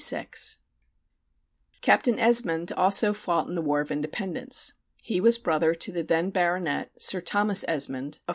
Captain Esmonde also fought in the War of Independence. He was brother to the then baronet, Sir Thomas Esmonde, of Co.